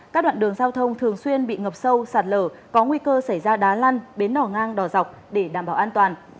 các đoạn đường giao thông thường xuyên bị ngập sâu sạt lở có nguy cơ xảy ra đá lăn bến đỏ ngang đỏ dọc để đảm bảo an toàn